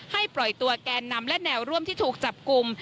ปล่อยตัวแกนนำและแนวร่วมที่ถูกจับกลุ่ม